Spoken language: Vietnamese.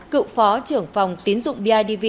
cựu phó trưởng phòng tiến dụng bidv